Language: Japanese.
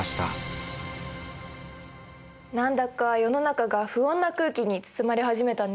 何だか世の中が不穏な空気に包まれ始めたね。